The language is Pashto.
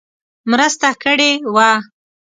مرسته کړې وه.